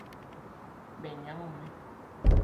Veña, home.